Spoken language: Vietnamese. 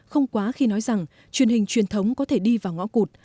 không quá khi nói rằng truyền hình truyền thống có thể đi vào ngõ cụt